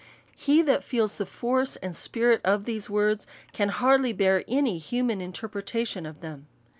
He that feels the force and spirit of these words, can hardly bear any human interpretation of them.